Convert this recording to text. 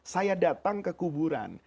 saya datang ke kuburan